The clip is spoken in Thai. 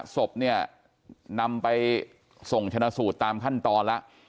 ศพเนี่ยนำไปส่งชนะสูตรตามขั้นตอนแล้ว